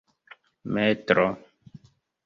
metro